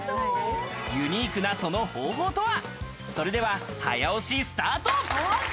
ユニークなその方法とは、それでは早押しスタート。